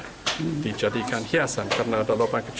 dan dijadikan hiasan karena ada lubang kecil